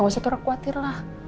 wastu aku kuatir lah